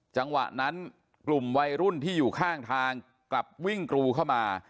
จังหวะนั้นกลุ่มวัยรุ่นที่อยู่ข้างทางกลับวิ่งกรูเข้ามา